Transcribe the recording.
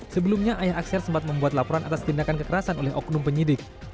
sebelumnya ayah axel sempat membuat laporan atas tindakan kekerasan oleh oknum penyidik